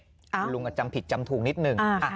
คุณลุงก็จำผิดจำถูกนิดหนึ่ง